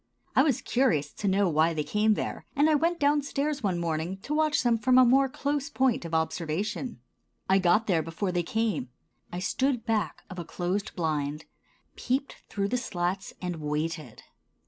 I was curious to know why they came there, and I went down stairs one morning to watch them from a more close point of observation. I got there before they came. I stood back of a closed blind, peeped through the slats and waited.